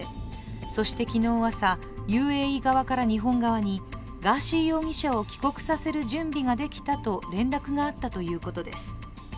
そして、昨日朝、ＵＡＥ側から日本側にガーシー容疑者を帰国させる準備ができたと連絡があったということです。